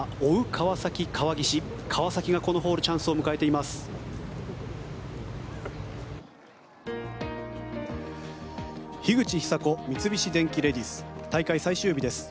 川崎がこのホールチャンスを迎えています。